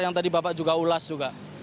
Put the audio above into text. yang tadi bapak juga ulas juga